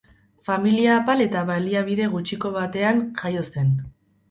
Familia apal eta baliabide gutxiko batean jaio zen.